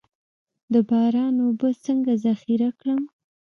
د باران اوبه څنګه ذخیره کړم؟